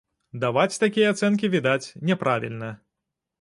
Даваць такія ацэнкі, відаць, няправільна.